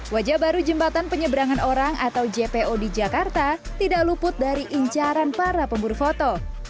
wajah baru jembatan penyeberangan orang atau jpo di jakarta tidak luput dari incaran para pemburu foto